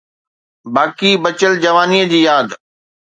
باقي بچيل جوانيءَ جي ياد.